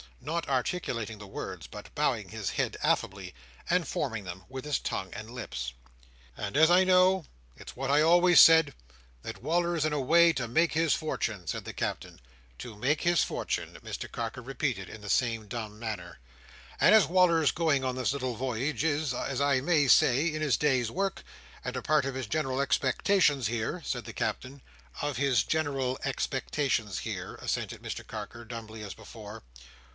Not articulating the words, but bowing his head affably, and forming them with his tongue and lips. "And as I know—it's what I always said—that Wal"r's in a way to make his fortune," said the Captain. "To make his fortune," Mr Carker repeated, in the same dumb manner. "And as Wal"r's going on this little voyage is, as I may say, in his day's work, and a part of his general expectations here," said the Captain. "Of his general expectations here," assented Mr Carker, dumbly as before.